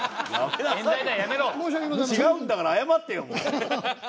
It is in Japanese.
違うんだから謝ってよ。